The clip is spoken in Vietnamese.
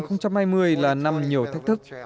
năm hai nghìn hai mươi là năm nhiều thách thức